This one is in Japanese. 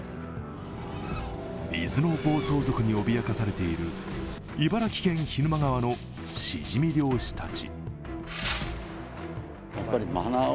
水の暴走族に帯やされている茨城県・涸沼川のシジミ漁師たち。